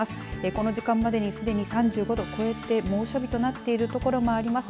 この時間までにすでに３５度を超えて猛暑日となってる所もあります。